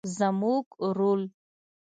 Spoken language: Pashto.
زموږ رول